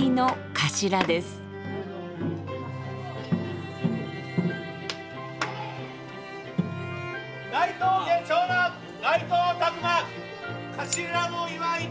頭の祝いに。